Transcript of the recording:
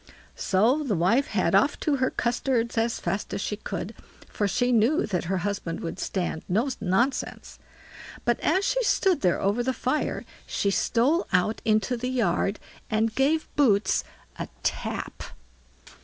So the wife had off to her custards as fast as she could, for she knew that her husband would stand no nonsense; but as she stood there over the fire she stole out into the yard, and gave Boots a tap.